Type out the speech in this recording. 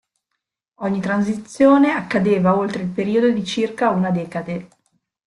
Ogni transizione accadeva oltre il periodo di circa una decade.